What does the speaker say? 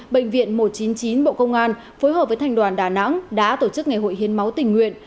bệnh viện một trăm chín mươi chín bộ công an phối hợp với thành đoàn đà nẵng đã tổ chức ngày hội hiến máu tình nguyện